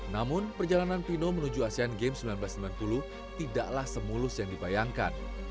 namun perjalanan pino menuju asean games seribu sembilan ratus sembilan puluh tidaklah semulus yang dibayangkan